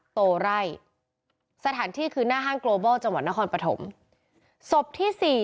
โตไร่สถานที่คือหน้าห้างโลบอลจังหวัดนครปฐมศพที่สี่